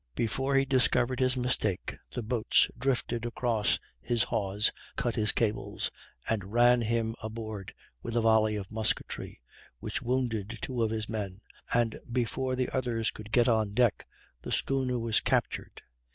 Before he discovered his mistake the boats drifted across his hawse, cut his cables, and ran him aboard with a volley of musketry, which wounded two of his men, and before the others could get on deck the schooner was captured.